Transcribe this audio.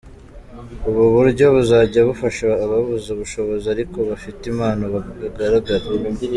Ubu buryo buzajya bufasha ababuze ubushobozi ariko bafite impano bagaragare.